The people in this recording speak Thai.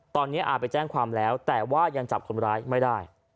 ตอนนี้อาไปแจ้งความแล้วแต่ว่ายังจับคนร้ายไม่ได้